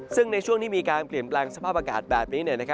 ซึ่งในช่วงที่มีการเปลี่ยนแปลงสภาพอากาศแบบนี้